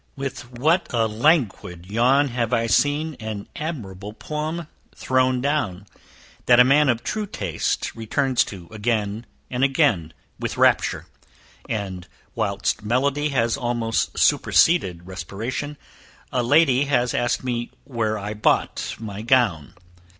With what a languid yawn have I seen an admirable poem thrown down, that a man of true taste returns to, again and again with rapture; and, whilst melody has almost suspended respiration, a lady has asked me where I bought my gown.